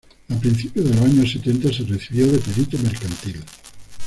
A principios de los años setenta se recibió de perito mercantil.